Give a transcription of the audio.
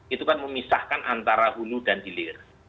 itu kan memisahkan antara hulu dan hilir